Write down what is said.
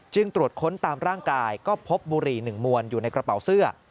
ตรวจค้นตามร่างกายก็พบบุหรี่๑มวลอยู่ในกระเป๋าเสื้อ